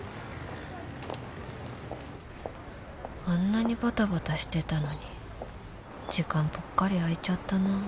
あんなにバタバタしてたのに時間ぽっかり空いちゃったな